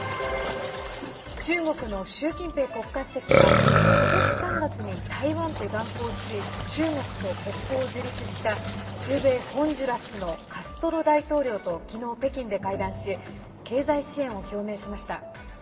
中国の習近平国家主席は今年３月に台湾と断交し中国と国交を樹立した中米ホンジュラスのカストロ大統領と昨日、北京で会談し経済支援を表明しました。